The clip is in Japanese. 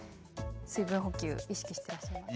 水分補給意識していらっしゃいますか？